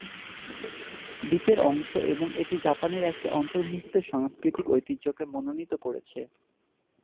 দ্বীপের অংশ এবং এটি জাপানের একটি অন্তর্নিহিত সাংস্কৃতিক ঐতিহ্যকে মনোনীত করেছে।